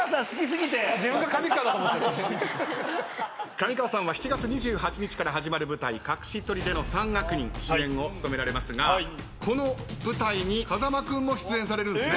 上川さんは７月２８日から始まる舞台『隠し砦の三悪人』主演を務められますがこの舞台に風間君も出演されるんですね。